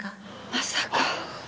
まさか。